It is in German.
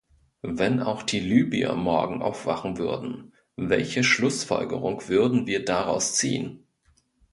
Wenn auch die Libyer morgen aufwachen würden, welche Schlussfolgerung würden wir daraus ziehen?